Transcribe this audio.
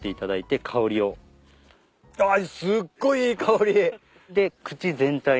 あっすっごいいい香り。